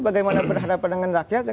bagaimana berhadapan dengan rakyat